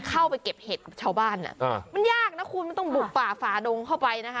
เข้าไปเก็บเห็ดชาวบ้านมันยากนะคุณมันต้องบุกฝ่าฝ่าดงเข้าไปนะคะ